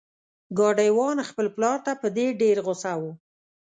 ګاډی وان خپل پلار ته په دې ډیر غوسه و.